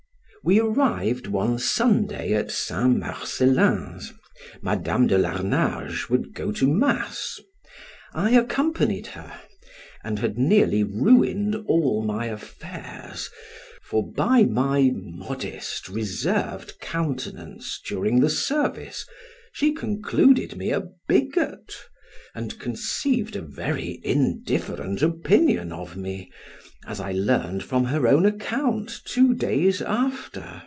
We arrived one Sunday at St. Marcelein's; Madam de Larnage would go to mass; I accompanied her, and had nearly ruined all my affairs, for by my modest reserved countenance during the service, she concluded me a bigot, and conceived a very indifferent opinion of me, as I learned from her own account two days after.